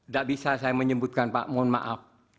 gak bisa saya menyebutkan pak mohon maaf